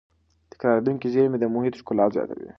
تکرارېدونکې زېرمې د محیط ښکلا زیاتوي.